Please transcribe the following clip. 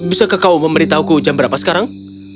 apakah kamu bisa memberitahuku jam berapa sekarang